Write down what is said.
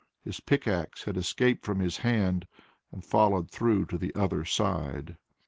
His pickaxe had escaped from his hand and fallen through to the other side.